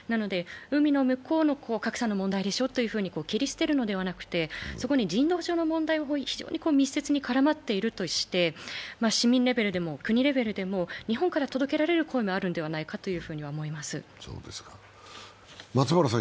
海の向こうの格差の問題でしょと切り捨てるのではなくて、そこに人道上の問題が非常に密接に絡まっているとして市民レベルでも、国レベルでも日本から届けられる声もあるのではないかと思います。